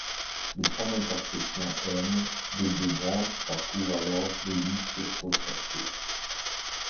Le point d'intersection M des deux branches parcourt alors l'ellipse recherchée.